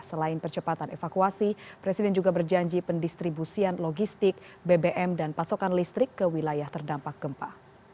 selain percepatan evakuasi presiden juga berjanji pendistribusian logistik bbm dan pasokan listrik ke wilayah terdampak gempa